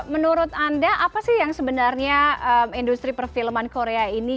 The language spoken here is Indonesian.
menurut anda apa sih yang sebenarnya industri perfilman korea ini